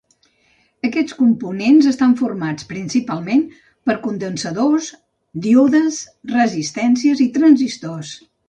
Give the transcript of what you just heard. Aquests components estan formats, principalment, per condensadors, díodes, resistències i transistors.